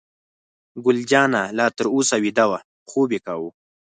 ګل جانه لا تر اوسه ویده وه، خوب یې کاوه.